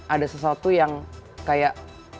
ada sesuatu yang kayak